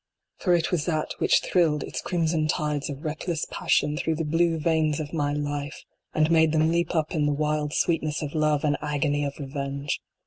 For it was that which thrilled its crimson tides of reck less passion through the blue veins of my life, and made I will revel in my passion." JUDITH. 23 them leap up in the wild sweetness of Love and agony of Revenge